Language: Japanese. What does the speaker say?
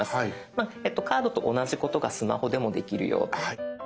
まあカードと同じことがスマホでもできるよと。